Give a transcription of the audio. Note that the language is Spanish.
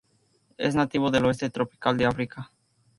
Es nativo del oeste tropical de África.